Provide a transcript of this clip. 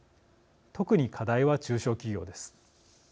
特に課題は中小企業です。